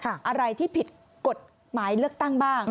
อะไรที่ผิดกฎหมายเลือกตั้งบ้าง